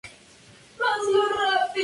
En cine trabajó en "Donde Está la Felicidad?